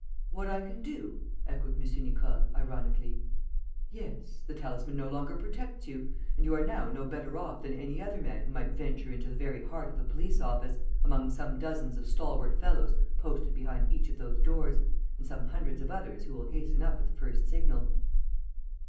"What I can do?" echoed M. Nicole, ironically. "Yes! The talisman no longer protects you; and you are now no better off than any other man who might venture into the very heart of the police office, among some dozens of stalwart fellows posted behind each of those doors and some hundreds of others who will hasten up at the first signal."